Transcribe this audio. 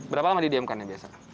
berapa lama didiamkan ya biasa